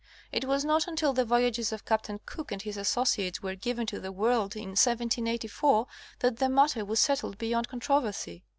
It was not until the voyages of Captain Cook and his associates were given to the world in 1784 that the matter was settled beyond controversy.